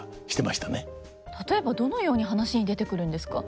例えばどのように話に出てくるんですか。